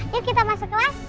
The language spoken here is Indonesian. yuk kita masuk kelas